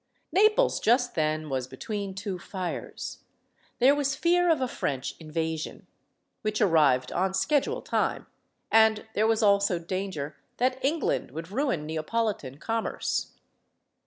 Naples, just then, was between two fires. There was fear of a French invasion which arrived on schedule time and there was also danger that England would ruin Neopolitan commerce.